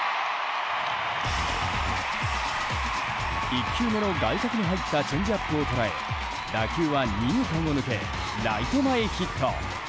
１球目の外角に入ったチェンジアップを捉え打球は二遊間を抜けライト前ヒット。